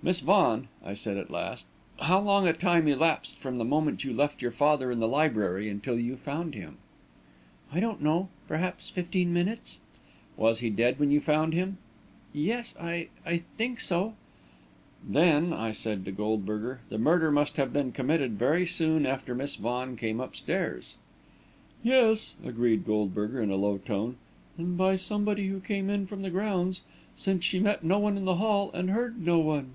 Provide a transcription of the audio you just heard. "Miss Vaughan," I said, at last, "how long a time elapsed from the moment you left your father in the library until you found him?" "I don't know. Perhaps fifteen minutes." "Was he quite dead when you found him?" "Yes, I I think so." "Then," I said to Goldberger, "the murder must have been committed very soon after Miss Vaughan came upstairs." "Yes," agreed Goldberger, in a low tone, "and by somebody who came in from the grounds, since she met no one in the hall and heard no one."